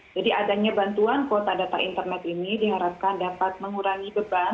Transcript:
jadi adanya bantuan kuota data internet ini diharapkan dapat mengurangi beban